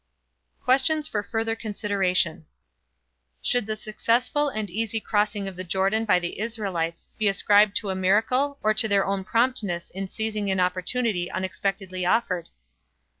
Questions for Further Consideration. Should the successful and easy crossing of the Jordan by the Israelites be ascribed to miracle or to their own promptness in seizing an opportunity unexpectedly offered?